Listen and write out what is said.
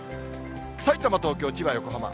さいたま、東京、千葉、横浜。